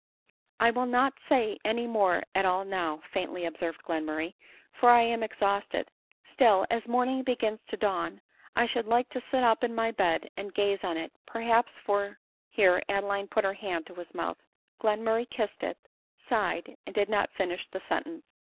" I will not say any more at all now," faintly observed Glenmurray, "for I am exhausted; still as morning begins to dawn, I should like to sit up in my bed, and gaze on it, perhaps for—" Here Adeline put her hand to his mouth ; Glenmurray kissed it, sighed, and did not finish the sentence.